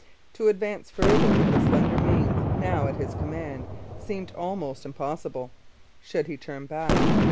To advance farther with the slender means now at his command seemed almost impossible. Should he turn back?